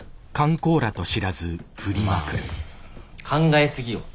まあ考え過ぎよ。